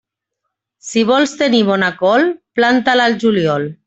Si vols tenir bona col, planta-la al juliol.